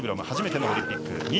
初めてのオリンピック。